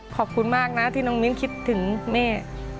ขอบคุณมากนะที่น้องมิ้นคิดถึงแม่